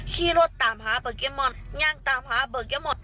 ขี้รถตามหาโปเกมอนงั่งตามหาโปเกมอน